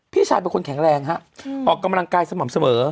พี่ชายเป็นคนแข็งแรงฮะออกกำลังกายสม่ำเสมอ